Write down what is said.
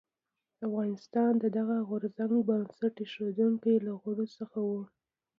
افغانستان د دغه غورځنګ بنسټ ایښودونکو له غړو څخه و.